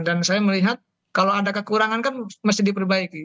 dan saya melihat kalau ada kekurangan kan mesti diperbaiki